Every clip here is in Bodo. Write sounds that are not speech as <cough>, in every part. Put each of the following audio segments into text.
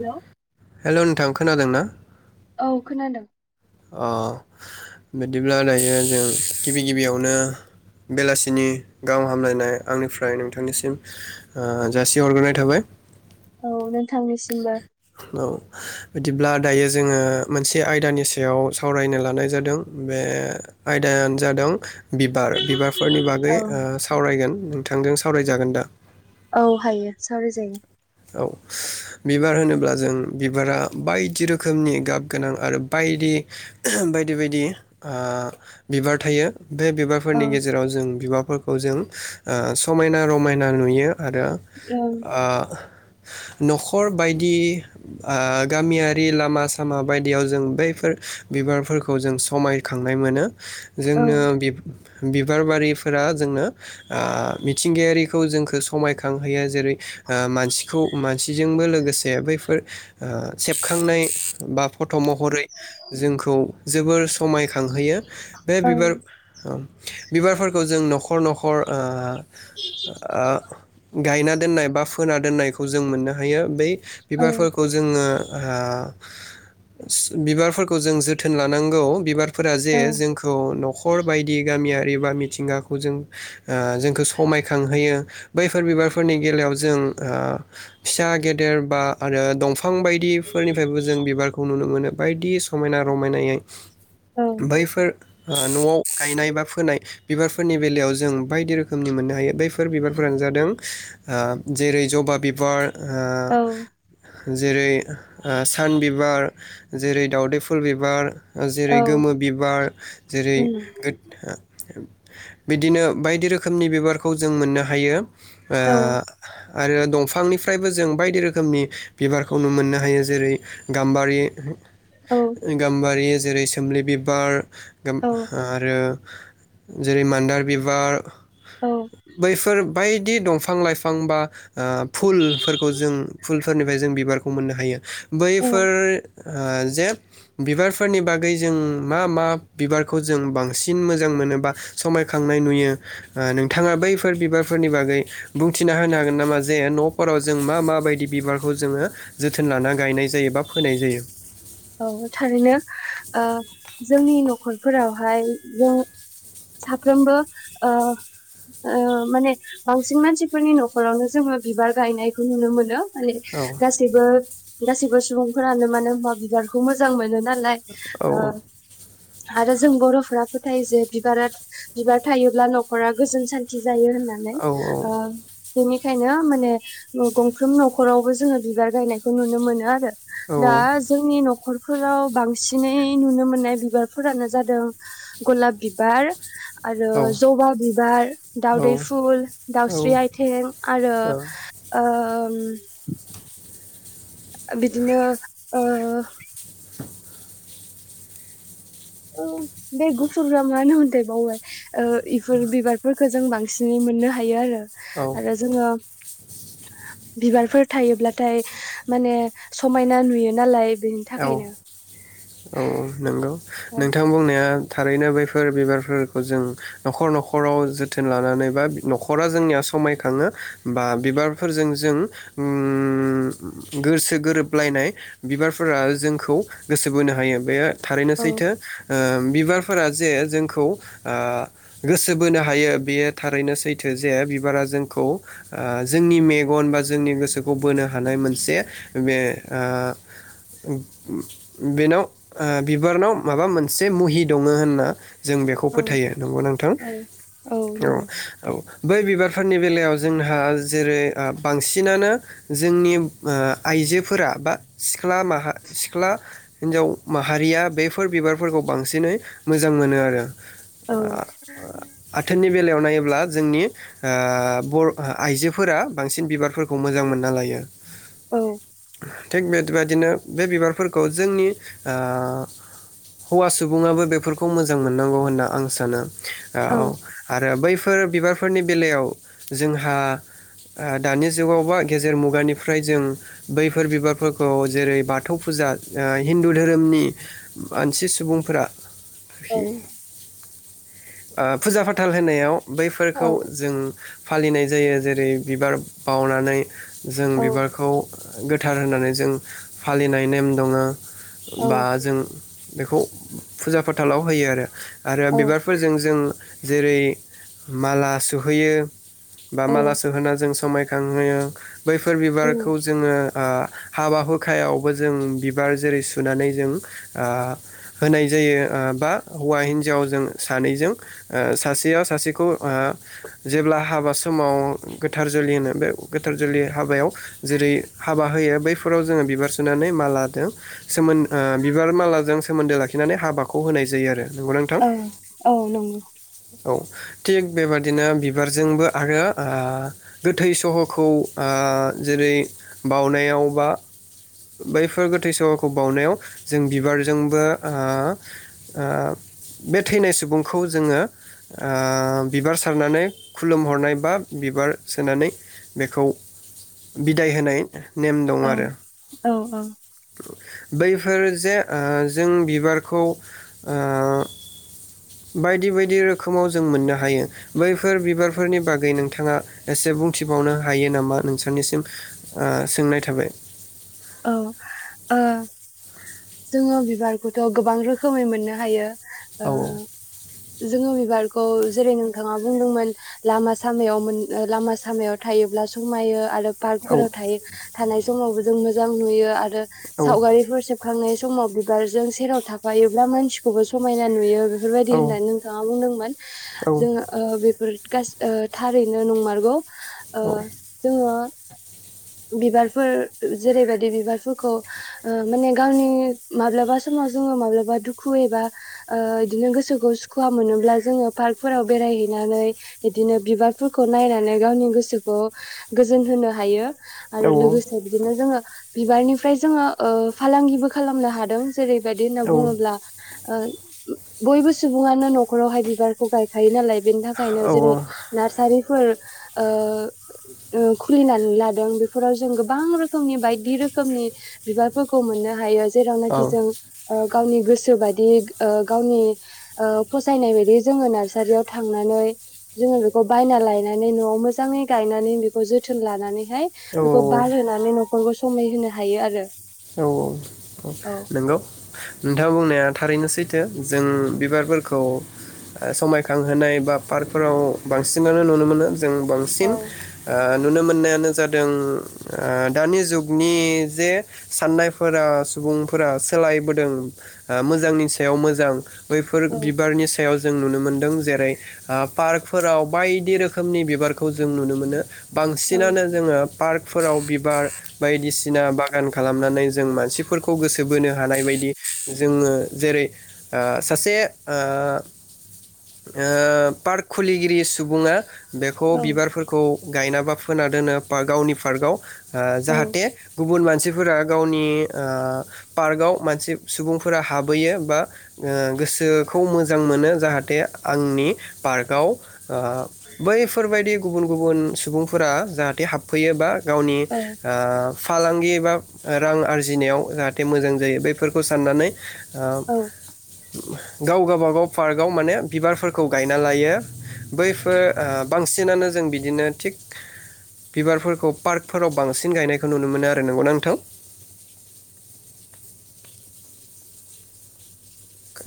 हेलौ हेलौ नोंथां खोनादों ना? औ खोनादों। अ बिदिब्ला दायो जों गिबि गिबियावनो बेलासिनि गाहाम हामलायनाय आंनिफ्राय नोंथांनिसिम ओ जासिहरग्रोनाय थाबाय। औ नोंथांनिसिमबो। औ बिदिब्ला दायो जोङो मोनसे आयदानि सा याव सावरायनो लानाय जादों बे आयदायानो जादों बिबार बिबार फोरनि बागै औ सावरायगोन। थोंजों सावरायजागोन दा? औ हायो सावराय जायो। औ, बिबार होनोब्ला जों बिबारा बायदि रोखोमनि गाब गोनां आरो बायदि बायदि बायदि आ बिबार थायो। बे औ बिबारफोरनि गेजेराव जों बिबारफोर खौ जों ओ समायना रमायना नुयो। आरो औ ओ न'खर बायदि ओ गामियारि लामा सामा बायदियाव जों बैफोर बिबारफोरखौ जों समायखांनाय मोनो औ जोंनो <unintelligible> बिबार बारिफोरा जोंनो ओ मिथिंगायारिखौ जोंखौ समायखांहोयो जेरै ओ मानसि खौ मानसिजोंबो लोगोसे जे बैफोर ओ सेबखांनाय बा फट' महरै जोंखौ जोबोर समायखांहोयो बे औ बिबार बिबारफोरखौ जों न'खर न'खर ओ ओ गायना दोननाय बा फोना दोननाय खौ जों मोननो हायो बै बिबारफोरखौ जोङो ओ बिबारफोरखौ जों जोथोन लानांगौ बिबार फोरा जे औ जोंखौ न'खर खर बायदि गामियारि बा मिथिंगाखौ जों ओ जोंखौ समायखांहोयो बैफोर बिबारफोरनि बेलायाव जों ओ फिसा गेदेर बा आरो दंफां बायदिफोरनिफ्रायबो जों बिबारखौ नुनो मोनो बायदि समायना रमायनायै बैफोर ओ न'आव गायनाय बा फोनाय बिबारफोरनि बेलायाव जों बायदि रोखोमनि मोननो हायो बैफोर बेफोर बिबारफोरानो जादों ओ जेरै जबा बि बार औ ओ जेरै ओ सान बिबार जेरै दावदै फुल बिबार जेरै औ गोमो बिबार जेरै उम <unintelligible> बिदिनो बायदि रोखोमनि बिबारखौ जों मोननो हायो ओ औ आरो दंफां निफ्रायबो जों बायदि रोखोमनि बिबारखौ नुनो मोननो हायो जेरै गाम्बारि गाम्बारि जेरै सोमलि बिबार औ <unintelligible> जेरै मान्दार बिबार औ बैफोर बायदि दंफां लाइफां बा ओ फुलफोरखौ जों फुलफोरनिफ्राय जों बिबारखौ मोननो हायो औ बैफोर ओ जे बिबारफोरनि बागै जों मा मा बिबारखौ जों बांसिन मोजां मोनो बा समायखांनाय नुयो ओ नोंथाङा बैफोर बिबारफोरनि बागै बुंथिना होनो हागोन नामा जे न' खराव जों मा मााबायदि बिबारखौ जोङो जोथोन लाना गायनाय जायो बा फोनाय जायो। औ थारैनो ओ जोंनि न'खरफोरावहाय जों साफ्रोमबो ओ ओ माने बांसिन मानसिफोरनि न'खरावनो जोङो बिबार गायनायखौ नुनो मोनो। माने औ गासैबो गासैबो सुबुंफोरानो मानो होमबा बि बारखौ मोजां मोनोना लाय औ ओ आरो जों बर'फोरा फोथायो जे बिबारा बिबार थायोब्ला न'खरा गोजोन सान्थि जायो होननानै औ ओ बेनिखायनो माने गंफ्रोम न'खरावबो जोङो बिबार गायनायखौ नुनो मोनो आरो औ दा आंनि न'खरफोराव बांसिनै नुनो मोननाय बिबारफोरानो जादों गलाब बिबार आरो औ जबा बिबार दाउदै फुल दाउस्रि आथिं आरो ओ उम बिदिनो ओ औ बे गुफुरा मा होन होनथाय बावबाय ओ इफोर बिबारफोरखौ जों बांसिनै मोननो हायो आरो औ आरो जोङो बिबारफोर थायोब्लाथाय माने समायना नुयो नालाय बेनि औ थाखायनो औ नंगौ औ नोंथां बुंनाया थारैनो बैफोर बिबारफोरखौ जों न'खर न'खराव जोथोन लानानै बा न'खरा जोंनिया समायखाङो बा बिबारफोरजों जों ओम गोसो गोरोबलायनाय बिबार फोरा जोंखौ गोसो बोनो हायो बेयो थारैनो औ सैथो ओ बिबार फोरा जे जोंखौ ओ गोसो बोनो हायो बेयो थारैनो सैथो जे बिबारा जोंखौ ओ जोंनि मेगन बा जोंनि गोसोखौ बोनो हानाय मोनसे बे ओ बेनाव ओ बिबारनाव माबा मोनसे मुहि दङ होनना जों बेखौ औ फोथायो नंगौ नोंथां औ औ औ बै बिबार फोरनि बेलायाव जोंहा जेरै ओ बांसिनानो जोंनि ओ आइजोफोरा बा सि ख्ला माहा सिख्ला हिन्जाव माहारिया बेफोर बिबारफोरखौ बांसिनै मोजां मोनो आरो औ आथोननि बेलायाव नायोब्ला जोंनि ओ बर' आइजोफोरा बांसिन बिबारफोरखौ मोजां मोनना लायो। औ थिग बे बेबायदिनो बे बिबारफोरखौ जोंनि ओ हौवा सुबुङाबो बेफोरखौ मोजां मोननांगौ होनना आं सानो औ आरो बै फोर बिबारफोरनि बेलायाव जोंहा ओ दानि जुगाव बा गेजेर मुगानिफ्राय जों बैफोर बिबारफोर खौ जेरै बाथौ फुजा ओ हिन्दु धोरोमनि मानसि सुबुंफोरा खि ओ फुजा फाथाल होनायाव औ बैफोरखौ जों फालिनाय जायो जेरै बिबार बावनानै जों बिबारखौओ गोथ थार होननानै जों फालिनाय नेम दंङो। औ बा जों बेखौ फुजा फाथालाव होयो आरो। आरो औ बिबारफोरजों जों जेरै- माला सुहैयो बा माला औ सोहोना जों समायखांहोयो। बैफोर बिबारखौ जोंङो आह हाबा हुखायावबो जों बिबार जेरै सोनानै जों ओ होनाय जायो ओ बा हौवा हिन्जावाव जों सानैजों ओ सासेयाव सासेखौ ओ जेब्ला हाबा समाव गोथार जुलि होनो बे गोथार जुलि हाबायाव जेरै हाबा होयो बै फोराव जोंङो बिबार सोनानै माला दोन सोमो ओ बिबार मालाजों सोमोन्दो लाखि नानै हाबाखौ होनाय जायो आरो। नंगौना नोंथां? ओं औ नंगौ। औ थिग बेबादिनो बिबारजोंबो आरो ओ गोथै सहखौ ओ जेरै बावनायाव बा बैफोर गोथै सहाखौ बावनायाव जों बिबारजोंबो ओ ओ बे थैनाय सुबुंखौ जोंङो ओ बिबार सारनानै खुलुमहरनाय बा बिबार सोनानै बेखौ बिदाय होनाय। नेम दंङ औ आरो। औ औ बैफोर जे ओ जों बिबारखौ ओ बायदि बायदि रोखोमाव जों मोननो हायो बैफोर बिबारफोरनि बागै नोंथांङा एसे बुंथिबावनो हायो नामा नोंस थां निसिम सोंनाय थाबाय। औ ओ जोंङो बिबारखौथ' गोबां रोखोमै मोननो हायो। ओ औ जोंङो बिबार खौ जेरै नोंथांङा बुंदोंमोन लामा सामायाव मोन लामा सामायाव थायोब्ला समायो आरो पार्कफोराव औ थायो थानाय समावबो जोंङो जां नुयो आरो औ सावगारिफोर सेबखांनायस सोमाव बिबारजों सेराव थाफायोब्ला मानसि खौबो समायना नुयो। औ फोरबायदि होननानै नोंथांङा बुंदोंमोन औ जोंङो ओ बेफोर गास ओ थारैनो नंमारगौ। ओ औ जोङो बिबारफोर जेरैबायदि बिबारफोरखौ ओ माने गावनि माब्लाबा समाव जोङो माब्लाबा दुखु एबा ओ इदिनो गोसोखौ सुखुव मोनोब्ला जोङो पार्कफोराव बेरायहैनानै बिदिनो बिबारफोरखौ नायनानै गावनि गोसोखौ गोजोन होनो हायो। औ आरो लोगोसे बिदिनो जोङो बिबारनिफ्राय जोङो ओ फालांगिबो खालामनो हादों। जेरैबायदि होनना बुङोब्ला। ओ बयबो सुबुङानो न'खरावहाय बिबारखौ गायखायो नालाय बेनि थाखायनो जेरै नार्सारिफोर ओ ओ खुलिनानै ला दों बेफोराव जों गोबां रोखोमनि बायदि रोखोमनि बिबारफोरखौ मोननो हायो। जेरावनाखि जों ओ गावनि गोसो बायदि ओ गावनि ओ फसायनाय बायदि जोङो नार्सारियाव थांनानै जोङो बेखौ बायना लायनानै न'आव मोजाङै गायनानै बेखौ जोथोन लानानैहाय बेखौ औ बार होननानै न'ख खरबो समाय होनो हायो आरो। औ औ औ नंगौ नोंथाङा बुंनाया थारैनो सै थो जों बिबारफोरखौ ओ समायखांहोनाय बा पार्कफोराव बांसिनानो नुनो मोनो। जों औ बांसिन ओ नुनो मोननायानो जादों ओ दानि जुगनि जे साननायफोरा सुबुंफोरा सोलायबोदों ओ मोजांनि सायाव मोजां बैफोर बिबारनि सायाव जों नुनो मोनदों जेरै ओ पार्कफोराव बायदि रोखोमनि बिबारखौ जों नुनो मोनो ओं बांसिनानो जोङो पार्कफोराव बिबार बायदिसिना बा गान खालामनानै जों मानसिफोरखौ गोसो बोनो हानाय बायदि जोङो जेरै ओ सासे ओ ओ पार्क खुलिगिरि सुबुंङा बेखौ औ बिबारफोरखौ गायना बा फोना दोनो पार्कआव गावनि पार्कआव ओ औ जाहाथे गुबुन मान सिफोरा गावनि ओ पार्कआव मानसि सुबुंफोरा हाबहैयो बा ओ गोसोखौ मोजां मोनो जाहाथे आंनि पार्कआव ओ बैफोरबायदि गुबुन गुबुन सुबुंफोरा जाहाथे हाबफैयोबा गावनि आ फालांगि एबा रां आरजिनायाव जाहाथे मोजां जायो बेफोरखौ साननानै। ओब औ गाव गावबागाव पार्कआव माने बिबारफोरखौ गायना लायो बैफोर ओ बांसिनानो जों बिदिनो थिग बिबारफोरखौ पार्कफोराव बांसिन गायनायखौ नुनो मोनो आरो नंगौना नोंथां।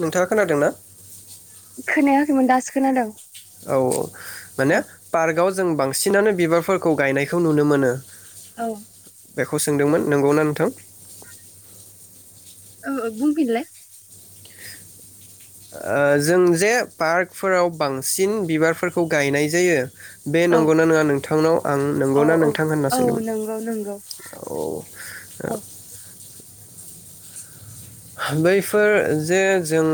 नोंथाङा खोनादोंना। खोनायाखैमोन दासो खोनादों औ औ माने औ पार्कआव जों बां सिनानो बिबारफोरखौ गायनायखौ नुनो मोनो। औ। बेखौ सोंदोंमोन नंगौना नोंथां? औ औ बुंफिनलाय। ओ जों जे पार्कफोराव बांसिन बिबारफोरखौ गायनाय जायो। बे औ नंगौना नङा नोंथांनाव आं औ नंगौना औ नोंथां होनना औ सोंदोंमोन नंगौ नंगौ औ औ। बैफोर जे जों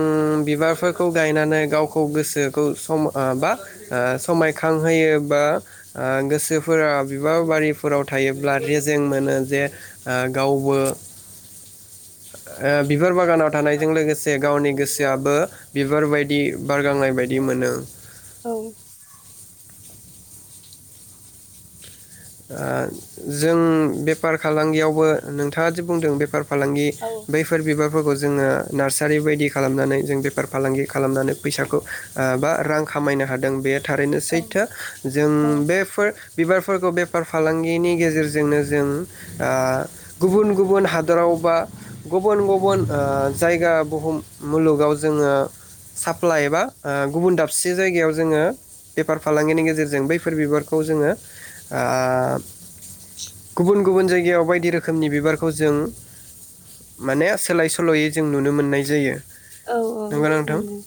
बिबारफोरखौ गायनानै गावखौ गोसोखौ सम ओ बा समायखांहोयो बा गोसोफोरा ओ बिबार बारिफोराव थायोब्ला रेजें मोनो जे ओ गावबो ओ बिबार बागानाव थानायजों लोगोसे गोसे लोगोसे गावनि गोसोआबो बिबार बायदि बारगांनाय बायदि मोनो। औ। ओ जों बेफार फालांगियावबो नोंथाङादि बुंदों बेफार। फालांगि औ बैफोर बिबारफोरखौ। जोङो नार्सारि बायदि खालामनानै जों बेफार फालांगि खालामनानै फैसाखौ ओ बा रां खामायनो हादों बे थारैनो औ सैथो जों औ बेफोर बिबार फोरखौ बे बेफार फालांगिनि गेजेरजोंनो जों ओ गुबुन गुबुन हादराव बा गुबुन गुबुन ओ जायगा बुहुम मुलुगाव जोङो साप्लाइ बा ओ गुबुन दाबसे जायगायाव जोङो बेफार फालांगिनि गेजेरजों बैफोर बिबारखौ जोङो ओ गुबुन गुबुन जायगायाव बायदि रोखोमनि बिबारखौ जों माने सोलाय सोल'यै जों नुनो मोननाय जायो। औ औ नंगौना नंगौ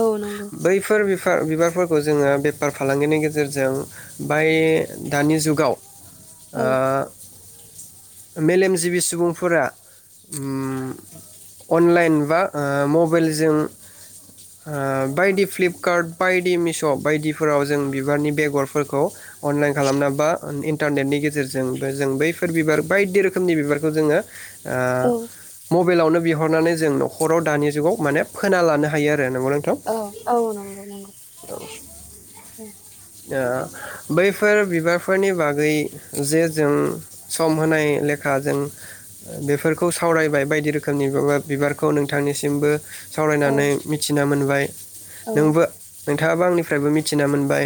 औ नंगौ। फा बेफोर बिबारफोरखौ जोङो बेफार फालांगिनि गेजेरजों बाय दानि जुगाव औ ओ। मेलेमजिबि सुबुंफोरा ओम अनलाइन बा ओ मबाइलजों ओ बायदि फ्लिपकार्ट बायदि मिश' बायदिफोराव जों बिबारनि बेगरफोरखौ अर खालामना बा इन्टारनेटनि गेजेरजोंबो जों बैफोर बिबार बायदि रोखोमनि बिबारखौ जोङो औ ओ मबाइलावनो बिहरनानै जों न'खराव दानि जुगाव माने फोना लानो हायो। आरो नंगौ नोंथां औ औ नंगौ नंगौ। दा बै फोर बिबारफोरनि बागै जे जों सम होनाय लेखा जों बेफोरखौ सावरायबाय बायदि रोखोमनि बिबारखौ नोंथांनिसिमबो। औ सावरायनानै मिथिना मोनो ओमफ्राय औ नोंबो नोंथाङाबो आंनिफ्रायबो मिथिना मोनबाय।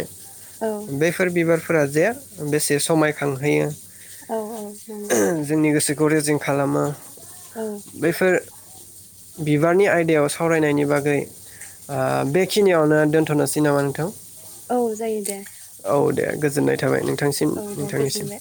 औ बेफोर बिबार फोरा जे बेसे समायखांहोयो औ औ नंग'। खौ रेजें खालामो बेफोर बिबारनि आयदायाव सावरायनायनि बागै ओ बेखिनियावनो दोनथ'नोसै नामा नोंथां? औ जायो दे। औ दे, गो जोननाय थाबाय औ नोंथांसिम औ दे नोंथांनिसिम। गोजोनबाय